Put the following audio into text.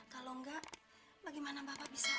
kalau enggak bagaimana bapak bisa